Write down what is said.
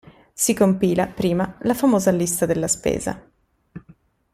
Si compila, prima, la famosa lista della spesa.